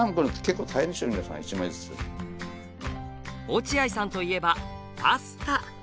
落合さんといえばパスタ。